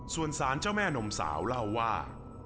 ส่วนสารเจ้าแม่นมสาวเล่าว่า